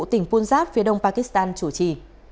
tỉnh punjab phía đông pakistan chủ trì